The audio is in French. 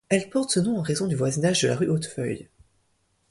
Elle porte ce nom en raison du voisinage de la rue Hautefeuille.